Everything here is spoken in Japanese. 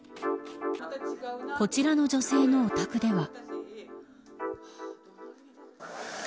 こちらの女性のお宅では。